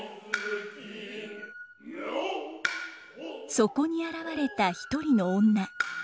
そこに現れた一人の女。